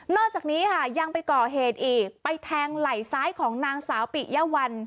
จากนี้ค่ะยังไปก่อเหตุอีกไปแทงไหล่ซ้ายของนางสาวปิยะวัน